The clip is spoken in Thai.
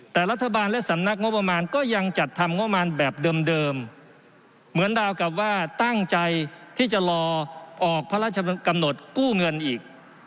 แต่รัฐบาลและสำนักงบประมาณก็ยังจัดทำงบประมาณแบบเดิมเหมือนดาวกับว่าตั้งใจที่จะรอออกพระราชกำหนดกู้เงินอีก